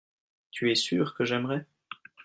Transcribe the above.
tu es sûr que j'aimerai.